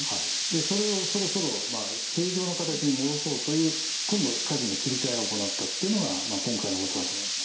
それをそろそろ正常の形に戻そうという今度かじの切り替えを行ったっていうのが今回のことだと思います。